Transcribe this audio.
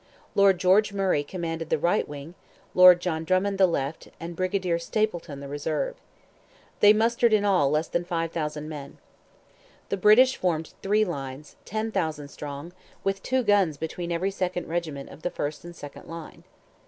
Lord George Murray commanded the right wing, Lord John Drummond the left, and Brigadier Stapleton the reserve. They mustered in all less than five thousand men. The British formed in three lines, ten thousand strong, with two guns between every second regiment of the first and second line.